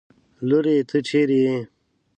لورې! ته چېرې يې؟